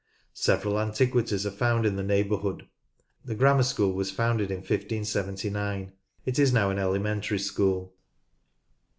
Several antiquities are found in the neighbourhood. The Grammar School was founded in 1579. It is now an elementary school, (pp.